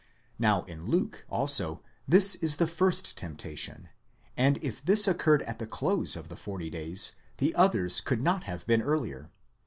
Now in Luke also this is the first temptation, and if this occurred at the close of the forty days, the others could not have been earlier.